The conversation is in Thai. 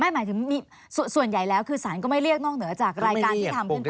หมายถึงส่วนใหญ่แล้วคือสารก็ไม่เรียกนอกเหนือจากรายการที่ทำขึ้นไป